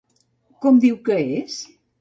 Com diu que és?